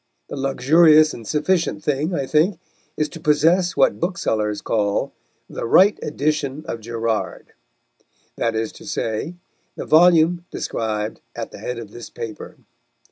The luxurious and sufficient thing, I think, is to possess what booksellers call "the right edition of Gerard"; that is to say, the volume described at the head of this paper.